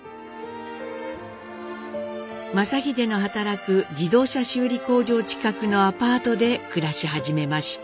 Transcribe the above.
正英の働く自動車修理工場近くのアパートで暮らし始めました。